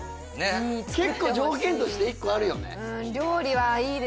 結構条件として１個あるよね